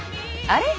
あれ？